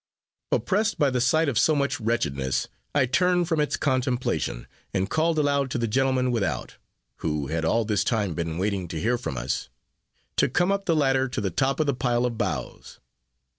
Oppressed by the sight of so much wretchedness, I turned from its contemplation, and called aloud to the gentlemen without (who had all this time been waiting to hear from us) to come up the ladder to the top of the pile of boughs.